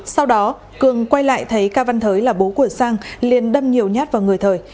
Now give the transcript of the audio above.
sau đó cường quay lại thấy ca văn thới là bố của sang liền đâm nhiều nhát vào người thời